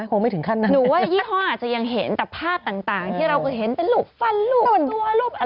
หนูว่ายี่พ่ออาจจะยังเห็นแต่ภาพต่างที่เราก็เห็นเป็นลูกฟันลูกตัว